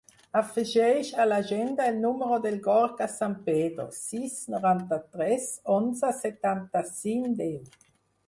Afegeix a l'agenda el número del Gorka Sampedro: sis, noranta-tres, onze, setanta-cinc, deu.